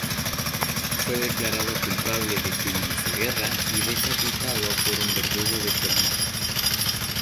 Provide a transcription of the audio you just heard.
Fue declarado culpable de crímenes de guerra y decapitado por un verdugo de Colmar.